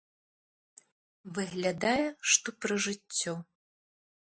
Выглядае, што пра жыццё.